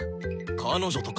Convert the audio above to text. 彼女とか。